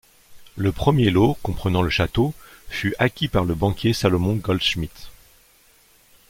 Le premier lot, comprenant le château, fut acquis par le banquier Salomon Goldschmidt.